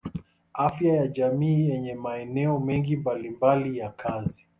Afya ya jamii yenye maeneo mengi mbalimbali ya kazi.